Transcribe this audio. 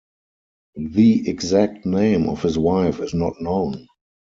The exact name of his wife is not known.